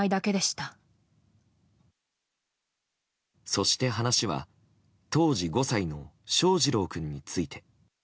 そして話は当時５歳の翔士郎君について。